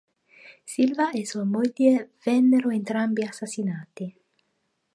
Silva e sua moglie vennero entrambi assassinati.